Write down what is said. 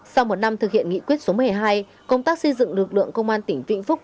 sau một năm thực hiện nghị quyết số một mươi hai công tác xây dựng lực lượng công an tỉnh vĩnh phúc